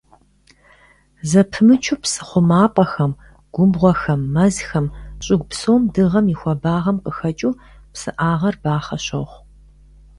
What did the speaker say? Зэпымычу псы хъумапӀэхэм, губгъуэхэм, мэзхэм, щӀыгу псом дыгъэм и хуабагъэм къыхэкӀыу псыӀагъэр бахъэ щохъу.